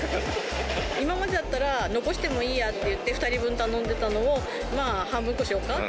今までだったら、残してもいいやっていって、２人分頼んでたのを、半分こしようかって。